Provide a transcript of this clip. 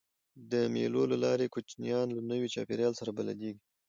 د مېلو له لاري کوچنيان له نوي چاپېریال سره بلديږي.